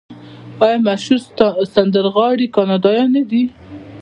آیا مشهور سندرغاړي کاناډایان نه دي؟